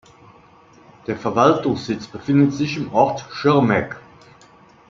Der Verwaltungssitz befindet sich im Ort Schirmeck.